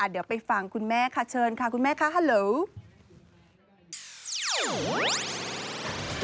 เดี๋ยวไปฟังคุณแม่ค่ะเชิญค่ะคุณแม่คะฮาโหล